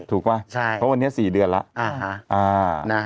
ถูกไหมเพราะวันนี้สี่เดือนแล้วอ่านะฮะ